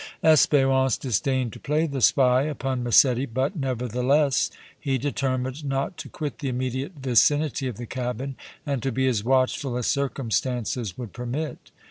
Espérance disdained to play the spy upon Massetti, but, nevertheless, he determined not to quit the immediate vicinity of the cabin and to be as watchful as circumstances would permit.